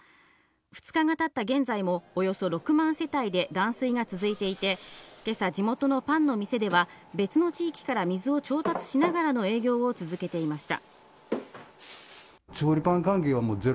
２日が経った現在もおよそ６万世帯で断水が続いていて、今朝、地元のパンの店では別の地域から水を調達しながらの営業を続けていました。